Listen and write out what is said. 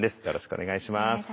よろしくお願いします。